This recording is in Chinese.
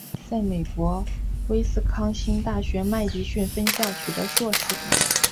在美国威斯康辛大学麦迪逊分校取得硕士。